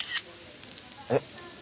えっ？